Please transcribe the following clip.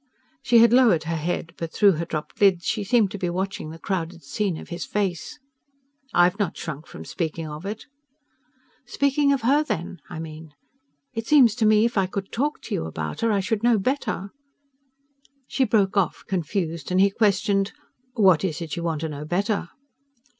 She had lowered her head, but through her dropped lids she seemed to be watching the crowded scene of his face. "I've not shrunk from speaking of it." "Speaking of her, then, I mean. It seems to me that if I could talk to you about her I should know better " She broke off, confused, and he questioned: "What is it you want to know better?"